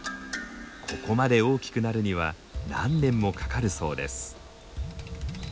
ここまで大きくなるには何年もかかるそうです。